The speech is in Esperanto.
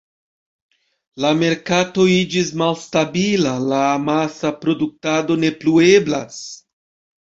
La merkato iĝis malstabila, la amasa produktado ne plu eblas.